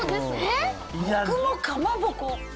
「僕もかまぼこ」？